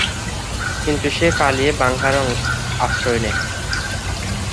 কিন্তু সে পালিয়ে বাংকারে আশ্রয় নেয়।